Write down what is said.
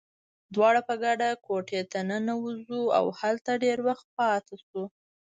دواړه په ګډه کوټې ته ننوزو، او هلته ډېر وخت پاتې شو.